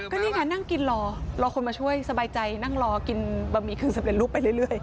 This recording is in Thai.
นี่ค่ะนั่งกินรอรอคนมาช่วยสบายใจนั่งรอกินบะหมี่กึ่งสำเร็จรูปไปเรื่อย